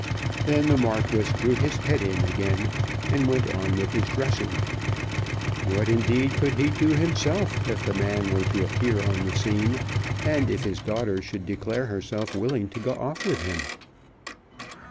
Then the Marquis drew his head in again, and went on with his dressing. What, indeed, could he do himself if the man were to appear on the scene, and if his daughter should declare herself willing to go off with him?